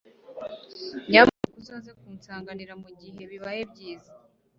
Nyamuneka uzaze kunsanganira mugihe bibaye byiza